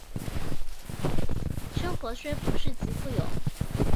生活虽不是极富有